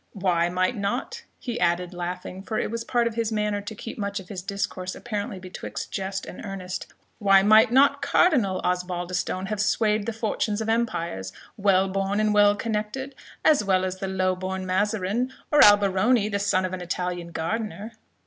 Why might not" (he added, laughing, for it was part of his manner to keep much of his discourse apparently betwixt jest and earnest) "why might not Cardinal Osbaldistone have swayed the fortunes of empires, well born and well connected, as well as the low born Mazarin, or Alberoni, the son of an Italian gardener?"